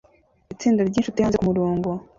Itsinda ryinshuti hanze kumurongo